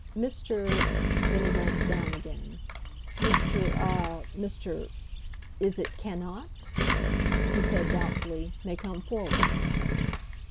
"Mr.—" then he glanced down again. "Mr.—ah—Mr.—is it Cannot?" he said doubtfully, "may come forward."